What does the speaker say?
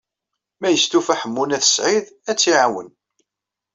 Ma yestufa Ḥemmu n At Sɛid, ad tt-iɛawen.